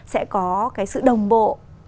sẽ có cái sự đồng bộ